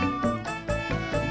aku mau berbual